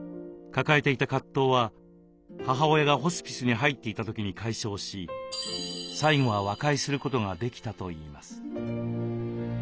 抱えていた葛藤は母親がホスピスに入っていた時に解消し最後は和解することができたといいます。